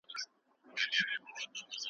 څي د نسلونو لپاره د فکر، پوهې